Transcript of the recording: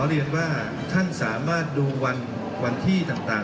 เรียนว่าท่านสามารถดูวันที่ต่าง